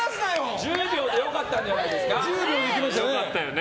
１０秒で良かったんじゃないですか。